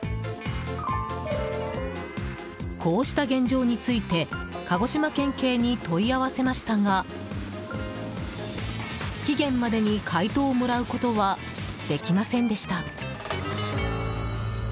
こうした現状について鹿児島県警に問い合わせましたが期限までに回答をもらうことはできませんでした。